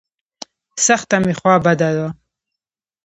سخته مې خوا بده وه.